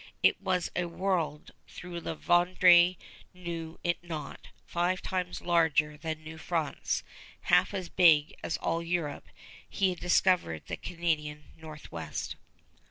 It was a world, though La Vérendrye knew it not, five times larger than New France, half as big as all Europe. He had discovered the Canadian Northwest.